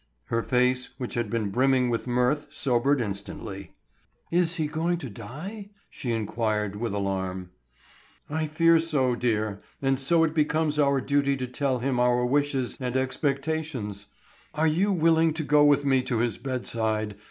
Her face, which had been brimming with mirth sobered instantly. "Is he going to die?" she inquired, with alarm. "I fear so, dear, and so it becomes our duty to tell him our wishes and expectations. Are you willing to go with me to his bedside?